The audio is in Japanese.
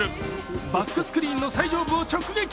バックスクリーンの最上部を直撃。